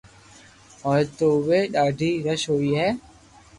ھوئي تو اووي ڌاڌي رݾ ھوئي ھي